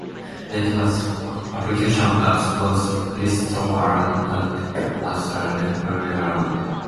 It has application as both a pistol round and as a rifle round.